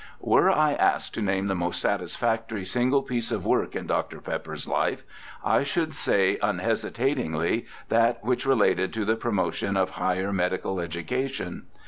Were I asked to name the most satisfactory single piece of work in Dr. Pepper's life, I should say un WILLIAM PEPPER 219 hesitatingly that which related to the promotion of higher medical education.